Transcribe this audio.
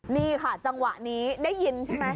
นี่ค่ะจังหวะนี้ได้ยินใช่ไหม